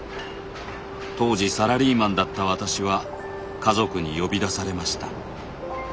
当時サラリーマンだった私は家族に呼び出されました。